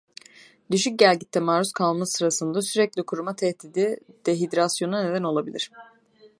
Düşük gelgitte maruz kalma sırasında sürekli kuruma tehdidi dehidrasyona neden olabilir.